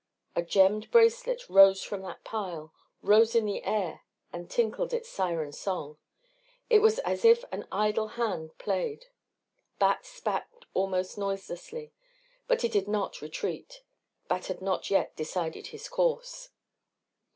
A gemmed bracelet rose from the pile, rose in the air and tinkled its siren song. It was as if an idle hand played.... Bat spat almost noiselessly. But he did not retreat. Bat had not yet decided his course.